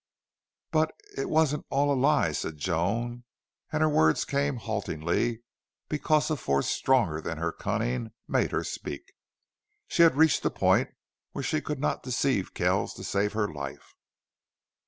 "But it it wasn't all a lie," said Joan, and her words came haltingly because a force stronger than her cunning made her speak. She had reached a point where she could not deceive Kells to save her life.